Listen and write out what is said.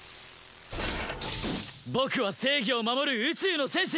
僕は正義を守る宇宙の戦士。